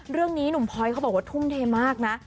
เรื่องนี้หนุ่มพลอยเขาบอกว่าทุ่มเทมากนะ